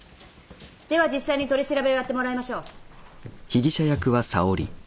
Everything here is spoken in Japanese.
では実際に取り調べをやってもらいましょう。